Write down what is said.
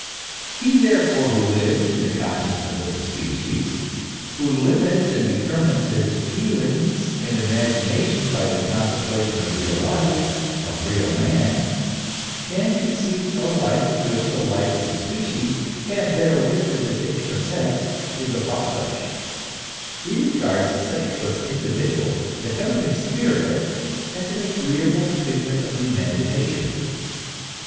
He therefore who lives in the consciousness of the species, who limits and determines his feelings and imagination by the contemplation of real life, of real man, can conceive no life in which the life of the species and therewith the distinction of sex is abolished ; he regards the sexless individual, the heavenly spirit, as an agreeable figment of the imagination.